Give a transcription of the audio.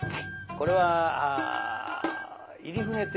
これは入船亭